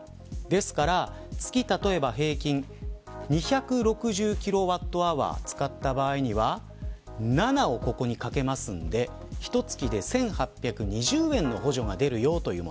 ですから、月例えば平均２６０ｋＷｈ使った場合には７をここに掛けるのでひと月で１８２０円の補助が出るというもの。